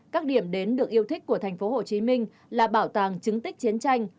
các điểm đến được yêu thích của thành phố hồ chí minh là bảo tàng chứng tích chiến tranh